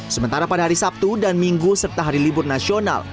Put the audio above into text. sementara pada hari sabtu dan minggu serta hari libur nasional